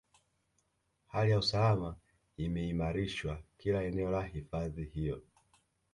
Hali ya usalama imeimarishwa kila eneo la hifadhi hiyo